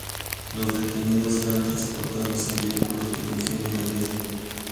Los detenidos eran transportados en vehículos del Ingenio Ledesma.